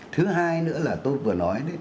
thứ hai nữa là tôi vừa nói